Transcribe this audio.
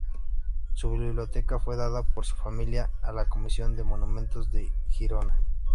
Su biblioteca fue dada por su familia a la Comisión de Monumentos de Girona.